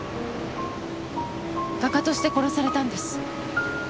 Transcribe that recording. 画家として殺されたんです。